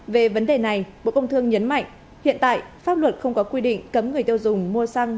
về vấn đề này bộ công thương nhấn mạnh hiện tại pháp luật không có quy định cấm người tiêu dùng mua xăng